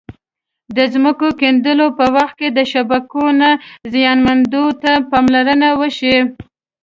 د ځمکې کیندلو په وخت کې د شبکو نه زیانمنېدو ته پاملرنه وشي.